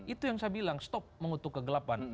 itu yang saya bilang stop mengutuk kegelapan